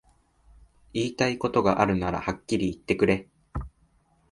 言いたいことがあるならはっきり言ってくれ